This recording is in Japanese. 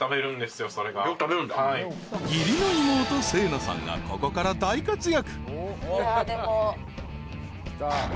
［義理の妹星奈さんがここから大活躍］